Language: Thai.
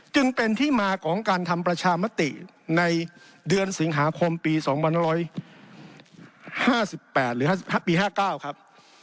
จึงเป็นที่มาของการทำประชามติในเดือนสิงหาคมปี๒๕๘หรือปี๕๙ครับ